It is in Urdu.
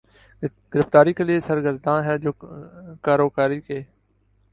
گرفتاری کے لیے سرگرداں ہے جو کاروکاری کے